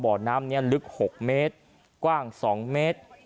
บ่อน้ำนี้ลึก๖เมตรกว้าง๒เมตร